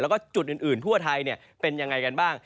แล้วก็จุดอื่นทั่วไทยเป็นยังไงกันบ้าง